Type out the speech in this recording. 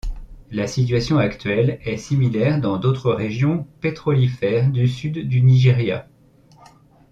La situation actuelle est similaire dans d'autres régions pétrolifères du sud du Nigeria.